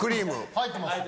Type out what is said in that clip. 入ってます。